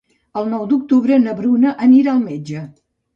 El nou d'octubre na Bruna anirà al metge.